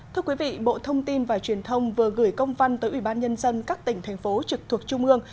thưa quý vị bộ thông tin và truyền thông vừa gửi công văn tới ubnd các tỉnh thành phố trực thuộc trung ương